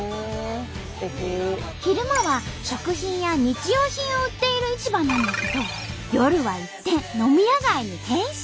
昼間は食品や日用品を売っている市場なんだけど夜は一転飲み屋街に変身。